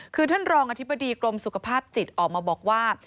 คือท่านรองอธิบดีกรมสุขภาพจิตออกมาบอกว่า